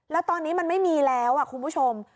แล้วตอนนี้มันไม่มีแล้วคุณผู้ชม